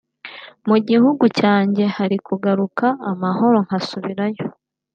mu gihugu cyanjye hari kugaruka amahoro nkasubirayo